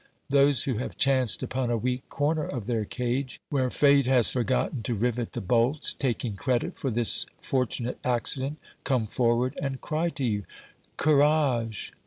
Those who have chanced upon a weak corner of their cage, where fate has forgotten to rivet the bolts, taking credit for this fortunate accident, come forward and cry to you : Courage